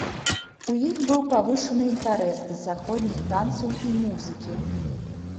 У іх быў павышаны інтарэс да заходніх танцаў і музыкі.